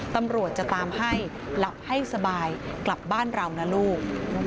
ตำรวจจะตามให้หลับให้สบายกลับบ้านเรานะลูก